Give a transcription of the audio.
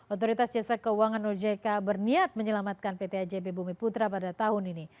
otoritas jasa keuangan ojk berniat menyelamatkan pt ajb bumi putra pada tahun ini